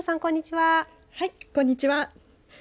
はい、こんにちは。